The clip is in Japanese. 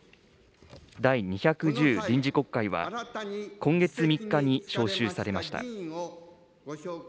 第２１０臨時国会は、今月３日に召集されました。